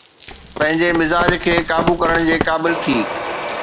پنهنجي مزاج کي قابو ڪرڻ جي قابل ٿي.